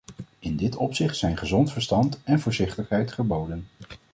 In dit opzicht zijn gezond verstand en voorzichtigheid geboden.